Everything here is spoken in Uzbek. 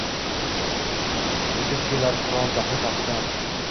Uchib kelar Qur’on sahifasidan